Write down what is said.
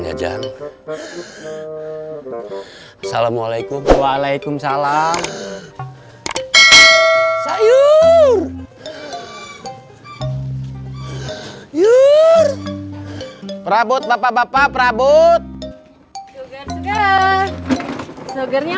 gajian assalamualaikum waalaikumsalam sayur sayur perabot papa papa perabot soger sogernya